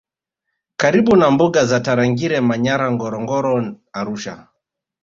karibu na mbuga za Tarangire Manyara Ngorongoro Arusha